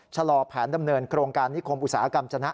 ชะลอแผนดำเนินโครงการณีโครมอุตสาหกรรมชนะไว้ก่อน